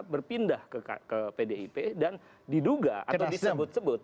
berpindah ke pdip dan diduga atau disebut sebut